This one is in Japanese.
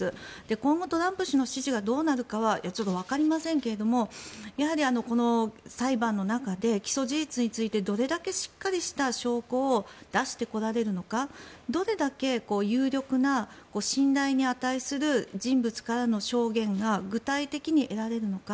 今後、トランプ氏の支持がどうなるかはちょっとわかりませんけれどやはり、この裁判の中で起訴事実についてどれだけしっかりした証拠を出してこられるのかどれだけ有力な信頼に値する人物からの証言が具体的に得られるのか。